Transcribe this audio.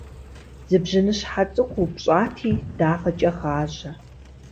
Зы бжьыныщхьэ цӏыкӏу упщӏати дагъэкӏэ гъажьэ.